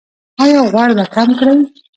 ایا غوړ به کم کړئ؟